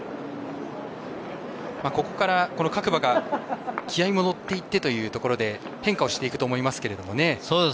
ここから各馬が気合いも乗っていってというところで変化をしていくと思いますけどもね。